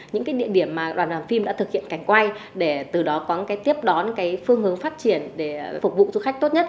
những địa điểm mà đoàn phim đã thực hiện cảnh quay để từ đó có cái tiếp đón phương hướng phát triển để phục vụ du khách tốt nhất